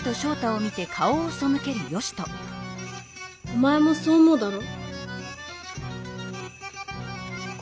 おまえもそう思うだろ？